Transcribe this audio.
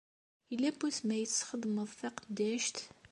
Yella wasmi ay tesxedmeḍ taqeddact?